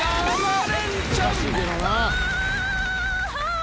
あ！